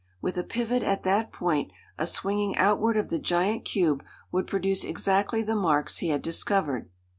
With a pivot at that point, a swinging outward of the giant cube would produce exactly the marks he had discovered.